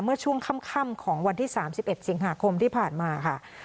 เมื่อช่วงค่ำของวันที่๓๑สิงหาคมที่ผ่านมาค่ะ